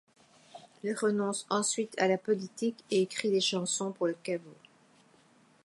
Il renonce ensuite à la politique et écrit des chansons pour le Caveau.